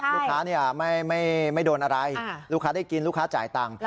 ลูกค้าไม่โดนอะไรลูกค้าได้กินลูกค้าจ่ายตังค์